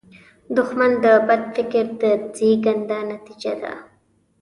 دښمن د بد فکر د زیږنده نتیجه ده